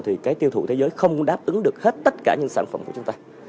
thì cái tiêu thụ thế giới không đáp ứng được hết tất cả những sản phẩm của chúng ta